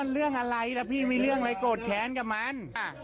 เรื่องอะไรล่ะพี่มีเรื่องอะไรโกรธแค้นกับมัน